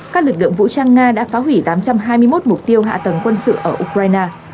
các lực lượng vũ trang nga đã phá hủy tám trăm hai mươi một mục tiêu hạ tầng quân sự ở ukraine